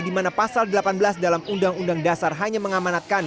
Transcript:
di mana pasal delapan belas dalam undang undang dasar hanya mengamanatkan